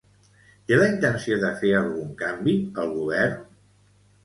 Té la intenció de fer algun canvi, el Govern?